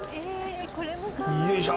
よいしょ！